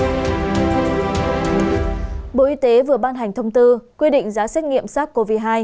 bộ y tế vừa ban hành thông tư quy định giá xét nghiệm sars cov hai